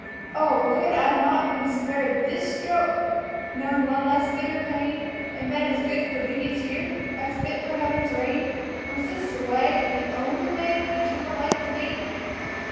Oh, could I not been spared this stroke, known one less bitter pain, And been as good for duties here, as fit for heaven's reign? Was this the way, the only way, eternal life to gain?